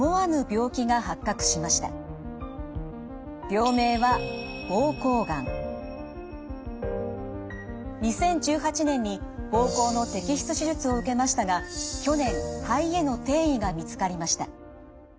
病名は２０１８年に膀胱の摘出手術を受けましたが去年肺への転移が見つかりました。